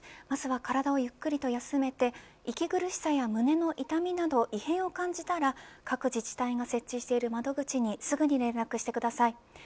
まずは体をゆっくりと休めて息苦しさや胸の痛みなど異変を感じたら各自治体が設置している窓口にすぐに連絡してください。